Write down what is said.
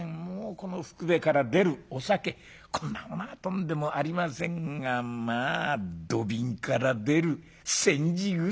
このふくべから出るお酒こんなものはとんでもありませんがまあ土瓶から出る煎じ薬なら構わないだろうと。